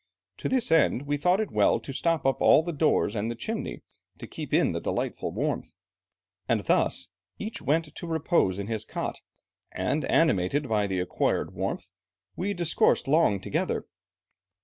To this end we thought it well to stop up all the doors and the chimney, to keep in the delightful warmth. And thus, each went to repose in his cot, and animated by the acquired warmth, we discoursed long together.